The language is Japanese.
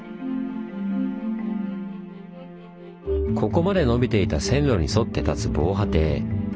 ここまでのびていた線路に沿ってたつ防波堤。